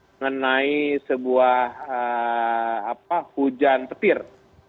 mengenai sebuah hujan petir